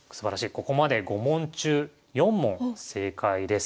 ここまで５問中４問正解です。